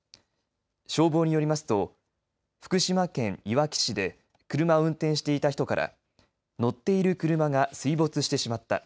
消防によりますと福島県いわき市で車を運転していた人から乗っている車が水没してしまった。